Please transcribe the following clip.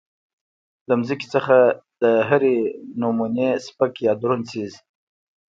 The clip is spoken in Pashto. د زمکې نه د هر نمونه سپک يا درون څيز